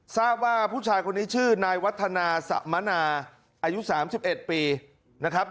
ทราบว่าผู้ชายคนนี้ชื่อนายวัฒนาสะมนาอายุ๓๑ปีนะครับ